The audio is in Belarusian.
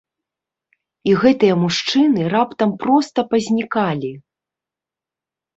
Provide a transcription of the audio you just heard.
І гэтыя мужчыны раптам проста пазнікалі!